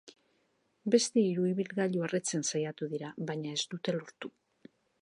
Beste hiru ibilgailu erretzen saiatu dira, baina ez dute lortu.